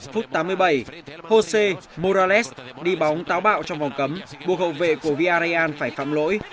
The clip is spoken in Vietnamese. phút tám mươi bảy jose morales đi bóng táo bạo trong vòng cấm buộc hậu vệ của viarrean phải phạm lỗi